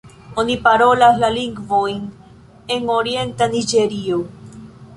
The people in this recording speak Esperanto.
Oni parolas la lingvojn en orienta Niĝerio.